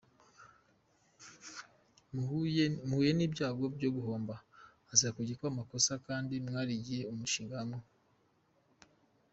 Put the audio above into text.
Muhuye n’ibyago byo guhomba azakwegekaho amakosa kandi mwarigiye hamwe umushinga.